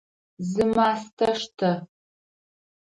Зы мастэ штэ!